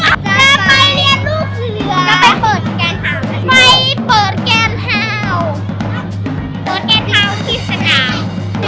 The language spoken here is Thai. เราไปเรียนลูกเหลือเราไปเปิดการที่สนาม